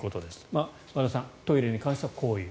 和田さん、トイレに関してはこういう。